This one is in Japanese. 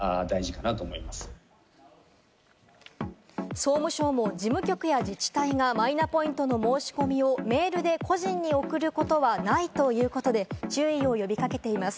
総務省も事務局や自治体がマイナポイントの申し込みをメールで個人に送ることはないということで注意を呼び掛けています。